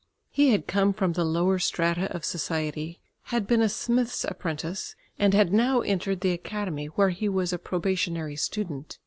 He had come from the lower strata of society, had been a smith's apprentice, and had now entered the Academy, where he was a probationary student.